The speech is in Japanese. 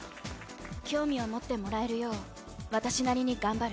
興味を持ってもらえるよう私なりに頑張る。